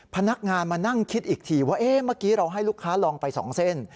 พนักงานมานั่งคิดอีกทีว่าเมื่อกี้เราให้ลูกค้าลองไป๒เส้น